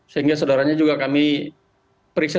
sehingga saudaranya juga kami periksa